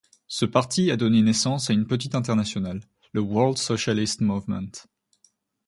Ce parti a donné naissance à une petite internationale, le World Socialist Movement.